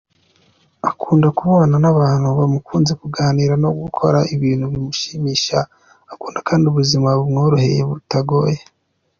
Akunda kubona abantu bamukunze, kuganira no gukora ibintu bimushimisha, akunda kandi ubuzima bumworoheye butagoye.